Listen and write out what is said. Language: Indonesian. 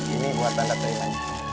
ini buat anda terima